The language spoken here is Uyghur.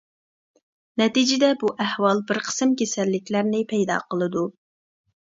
نەتىجىدە بۇ ئەھۋال بىر قىسىم كېسەللىكلەرنى پەيدا قىلىدۇ.